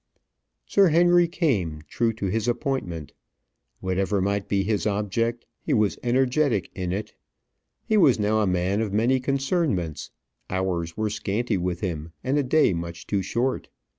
Sir Henry came, true to his appointment. Whatever might be his object, he was energetic in it. He was now a man of many concernments; hours were scanty with him, and a day much too short.